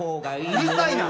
うるさいな！